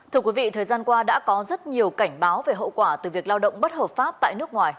thưa quý vị thời gian qua đã có rất nhiều cảnh báo về hậu quả từ việc lao động bất hợp pháp tại nước ngoài